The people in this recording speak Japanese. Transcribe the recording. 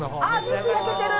肉焼けてる！